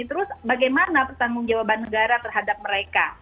terus bagaimana pertanggung jawaban negara terhadap mereka